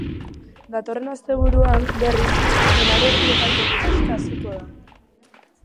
Datorren asteburuan, berriz, finalerdietako ligaxka hasiko da.